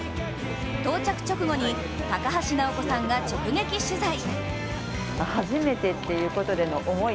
到着直後に高橋尚子さんが直撃取材。